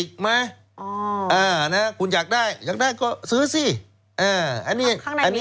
คุณอยากได้อยากได้ก็ซื้อสิ